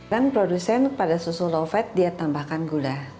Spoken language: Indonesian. dan produsen pada susu low fat dia tambahkan gula